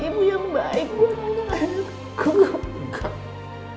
ibu yang baik